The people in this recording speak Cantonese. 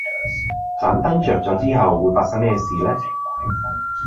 盏燈着咗之後會發生咩事呢